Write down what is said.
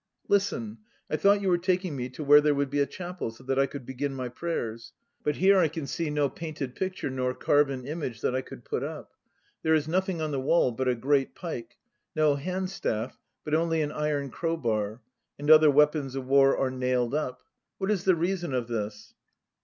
Listen! I thought you were taking me to where there would be a chapel, so that I could begin my prayers. But here I can see no painted picture nor carven image that I could put up. There is noth ing on the wall but a great pike, no handstaff, but only an iron crowbar; and other weapons of war are nailed up. What is the reason of this?